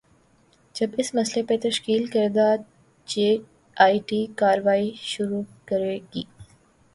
جب اس مسئلے پہ تشکیل کردہ جے آئی ٹی کارروائی شروع کرے گی۔